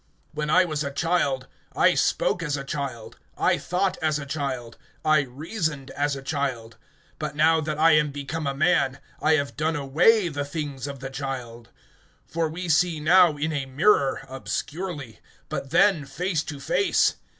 (11)When I was a child, I spoke as a child, I thought as a child, I reasoned as a child; but now that I am become a man, I have done away the things of the child. (12)For we see now in a mirror, obscurely; but then face to face.